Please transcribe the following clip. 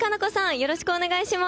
よろしくお願いします。